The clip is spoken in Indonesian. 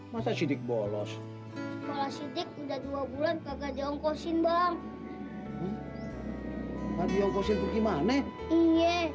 masa sidik bolos kepala si dick udah dua bulan kagak jengkau sini bang tapi yang kusip gimana ini